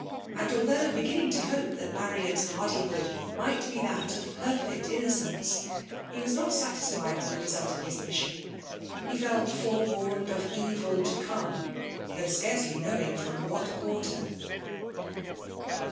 Und although heginning to hope that Marian's haid8K>od might he diat of perfect inoo* eence, he was not satisfied with the result of his mission. He felt forewarned of evil to come^ though scarcely knowing firom what quarter.